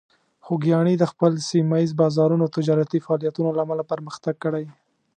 خوږیاڼي د خپل سیمه ییز بازارونو او تجارتي فعالیتونو له امله پرمختګ کړی.